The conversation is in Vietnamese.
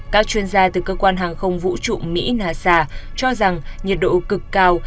các chuyên gia từ cơ quan hàng không vũ trụ mỹ nasa cho rằng nhiệt độ cực cao